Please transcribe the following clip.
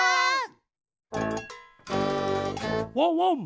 ワンワン！